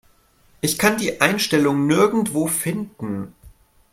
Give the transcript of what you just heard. Ich kann die Einstellung nirgendwo finden.